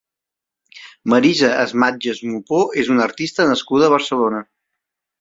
Marisa Esmatjes Mompó és una artista nascuda a Barcelona.